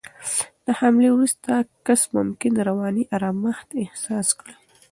د حملې وروسته کس ممکن رواني آرامښت احساس کړي.